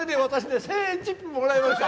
１０００円チップもらいました！